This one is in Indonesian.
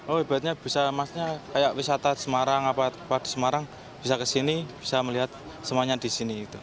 oh hebatnya bisa masnya kayak wisata di semarang bisa ke sini bisa melihat semuanya di sini